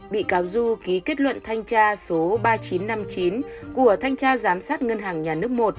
bị cáo du ký kết luận thanh tra số ba nghìn chín trăm năm mươi chín của thanh tra giám sát ngân hàng nhà nước một